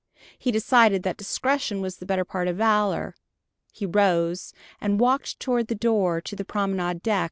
He decided that discretion was the better part of valor. He rose, and walked toward the door to the promenade deck.